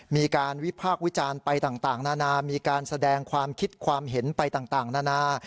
มีการวิพากษ์วิจารณ์ไปต่างนานามีการแสดงความคิดความเห็นไปต่างนานา